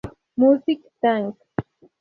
Music Tank.